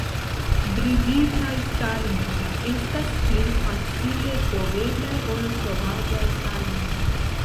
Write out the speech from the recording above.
Breditaj salmoj estas pli facile troveblaj ol sovaĝaj salmoj.